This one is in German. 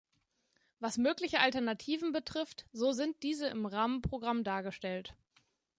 Was mögliche Alternativen betrifft, so sind diese im Rahmenprogramm dargestellt.